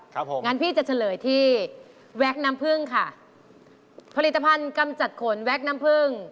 ครับผมงั้นพี่จะเฉลยที่แว็กน้ำพึ่งค่ะผลิตภัณฑ์กำจัดขนแวกน้ำพึ่ง